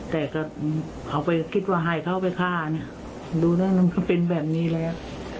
แต่ก็เอาไปคิดว่าให้เข้าไปฆ่าดูเรื่องนั้นก็เป็นแบบนี้แล้ว